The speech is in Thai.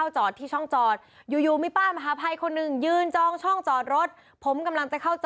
จองได้เหรอป้า